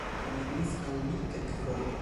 Kaj mi diris al li kelkfoje: